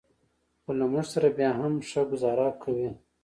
خو له موږ سره بیا هم ښه ګوزاره کوي.